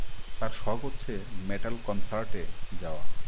তার শখ হচ্ছে মেটাল কনসার্টে যাওয়া।